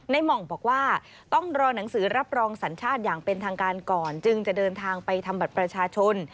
หม่องบอกว่าต้องรอหนังสือรับรองสัญชาติอย่างเป็นทางการก่อนจึงจะเดินทางไปทำบัตรประชาชน